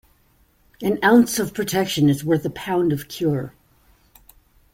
An ounce of protection is worth a pound of cure.